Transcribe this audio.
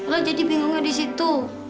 lo jadi bingungnya di situ